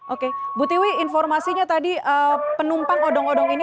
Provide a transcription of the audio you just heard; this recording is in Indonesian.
oke bu tiwi informasinya tadi penumpang odong odong ini